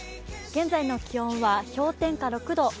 現在の気温は氷点下６度。